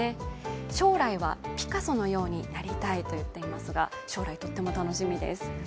将来はピカソのようになりたいと言っていますが、将来とっても楽しみです。